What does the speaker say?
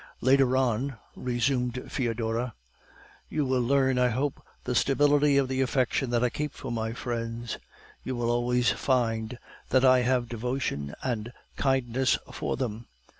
"'Later on,' resumed Foedora, 'you will learn, I hope, the stability of the affection that I keep for my friends. You will always find that I have devotion and kindness for them.